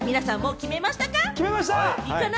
決めました！